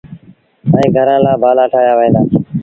ائيٚݩ گھرآݩ لآ بآلآ ٺآهيآ وهيݩ دآ۔